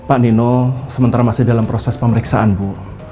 pak nino sementara masih dalam proses pemeriksaan bu